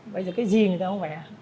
bây giờ cái gì người ta không vẽ